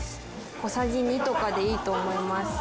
小さじ２とかでいいと思います。